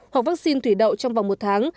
hoặc vaccine thủy đậu trong vòng một tháng